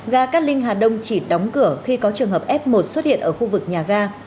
gà cát linh hà đông chỉ đóng cửa khi có trường hợp f một xuất hiện ở khu vực nhà ga